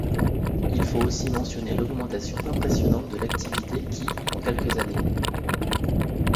Il faut aussi mentionner l'augmentation impressionnante de l'activité qui, en quelques années.